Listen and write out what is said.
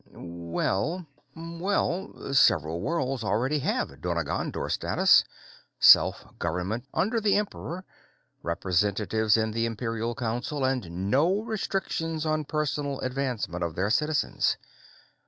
"Well, several worlds already have donagangor status self government under the Emperor, representatives in the Imperial Council, and no restrictions on personal advancement of their citizens.